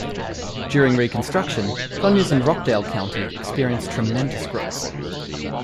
During Reconstruction, Conyers and Rockdale County experienced tremendous growth.